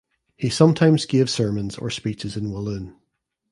He sometimes gave sermons or speeches in Walloon.